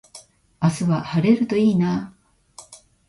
明日は晴れるといいな